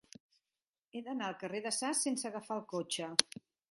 He d'anar al carrer de Sas sense agafar el cotxe.